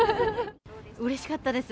うれしかったです。